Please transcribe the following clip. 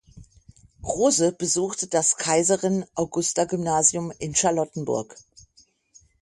Rose besuchte das Kaiserin-Augusta-Gymnasium in Charlottenburg.